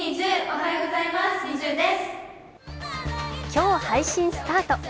今日配信スタート。